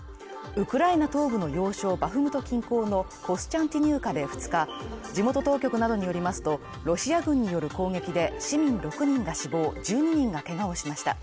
ウクライナ東部の要衝バフムト近郊のコスチャンティニウカで２日、地元当局などによりますと、ロシア軍による攻撃で市民６人が死亡、１２人がけがをしました。